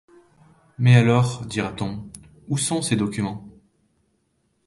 Mais alors, dira-t-on, où sont ces documents ?